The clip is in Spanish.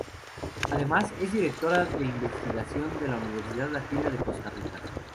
Además, es Directora de Investigación de la Universidad Latina de Costa Rica.